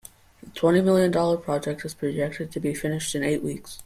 The twenty million dollar project is projected to be finished in eight weeks.